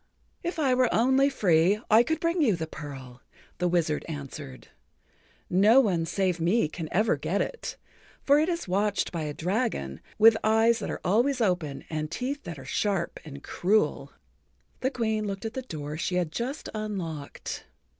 "If I were only free I could bring you the pearl," the wizard answered. "No one save me can ever get it, for it is watched by a dragon with eyes that are always open and teeth that are sharp and cruel."[Pg 58] The Queen looked at the door she had just unlocked.